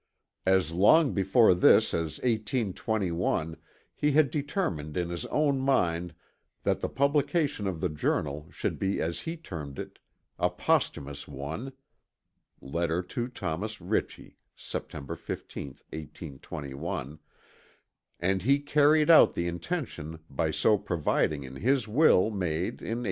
As long before this as 1821 he had determined in his own mind that the publication of the Journal should be as he termed it, "a posthumous one" (letter to Thomas Ritchie September 15, 1821), and he carried out the intention by so providing in his will made in 1835.